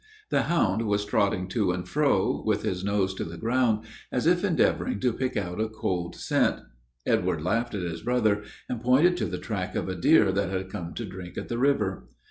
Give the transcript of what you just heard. The hound was trotting to and fro, with his nose to the ground, as if endeavoring to pick out a cold scent Edward laughed at his brother, and pointed to the track of a deer that had come to drink at the river.